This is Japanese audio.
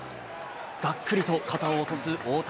がっくりと肩を落とす大谷。